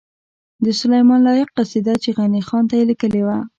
د سلیمان لایق قصیده چی غنی خان ته یی لیکلې وه